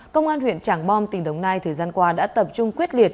công an huyện trảng bom tỉnh đồng nai thời gian qua đã tập trung quyết liệt